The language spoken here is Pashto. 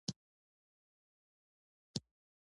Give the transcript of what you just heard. ما خپل ملګري ته زنګ ووهلو خو نه یې پورته کوی